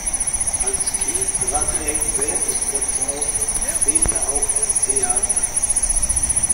Als Kind trat er in Werbespots auf, später auch am Theater.